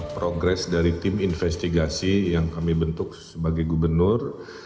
progres dari tim investigasi yang kami bentuk sebagai gubernur